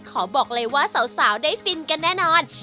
ขอบอกเลยว่าสาวได้ฟินกันแน่นอน